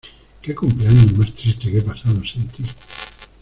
Qué cumpleaños más triste que he pasado sin ti.